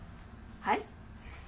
はい？